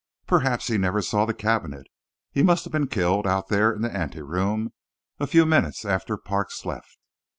Perhaps he never saw the cabinet. He must have been killed out there in the ante room, a few minutes after Parks left."